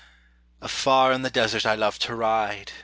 Afar in the desert I love to ride.